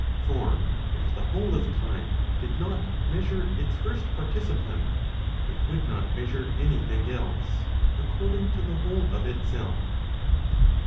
For if the whole of time did not measure its first participant, it would not measure any thing else, according to the whole of itself.